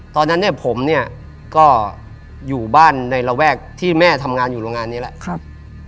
ตอนนั้นเนี่ยผมเนี่ยก็อยู่บ้านในระแวกที่แม่ทำงานอยู่โรงงานนี้แหละครับ